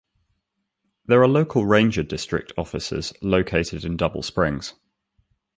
There are local ranger district offices located in Double Springs.